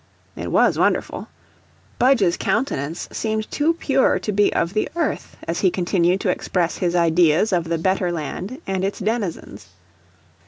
It WAS wonderful. Budge's countenance seemed too pure to be of the earth as he continued to express his ideas of the better land and its denizens.